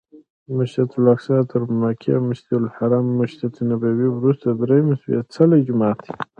مسجدالاقصی تر مکې او مسجدالحرام او مسجدنبوي وروسته درېیم سپېڅلی جومات دی.